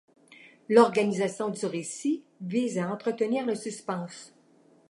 L'organisation du récit vise à entretenir le suspense.